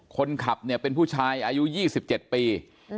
คนขับเนี่ยเป็นผู้ชายอายุ๒๗ปี